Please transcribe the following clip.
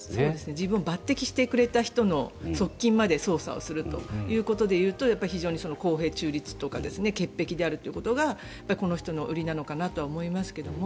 自分を抜てきしてくれた人の側近まで捜査をするということで言うと非常に公平中立とか潔癖であるということがこの人の売りなのかなと思いますけれども。